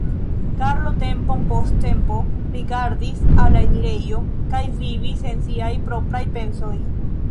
Karlo tempon post tempo rigardis al la enirejo kaj vivis en siaj propraj pensoj.